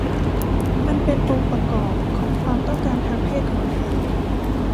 มันเป็นองค์ประกอบของความต้องการทางเพศของเธอ